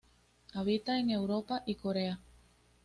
Habita en Europa y Corea.